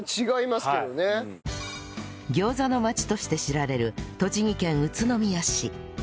餃子の街として知られる栃木県宇都宮市